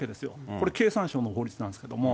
これ、経産省も法律なんですけど。